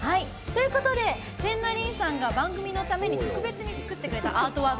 ＳｅｎｎａＲｉｎさんが番組のために特別に作ってくれたアートワーク